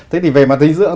thế thì về mặt dinh dưỡng